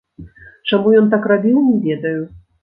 Чаму ён так рабіў, не ведаю.